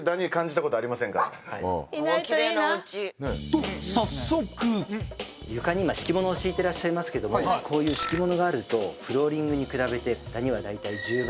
と早速床に今敷物を敷いてらっしゃいますけどもこういう敷物があるとフローリングに比べて。